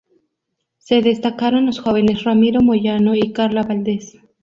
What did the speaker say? Se destacaron los jóvenes Ramiro Moyano y Carla Valdez.